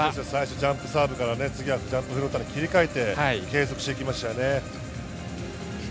ジャンプサーブからジャンプフローターに切り替えて減速していきましたよね。